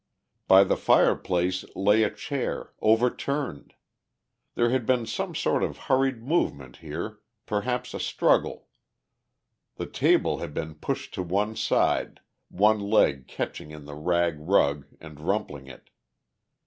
By the fireplace lay a chair, overturned. There had been some sort of hurried movement here, perhaps a struggle. The table had been pushed to one side, one leg catching in the rag rug and rumpling it.